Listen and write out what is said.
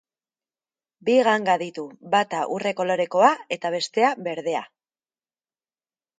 Bi ganga ditu, bata urre kolorekoa eta bestea berdea.